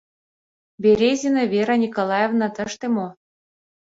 — Березина Вера Николаевна тыште мо?